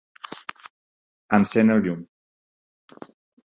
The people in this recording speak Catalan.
Encén el llum